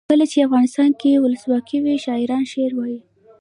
کله چې افغانستان کې ولسواکي وي شاعران شعر وايي.